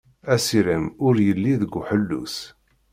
Asirem ur yelli deg ḥellu-s.